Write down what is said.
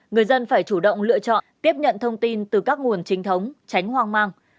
người dân phải chủ động lựa chọn tiếp nhận thông tin từ các nguồn trinh thống tránh hoang mang